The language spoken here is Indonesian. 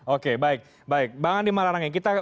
oke baik bang andi malarangin kita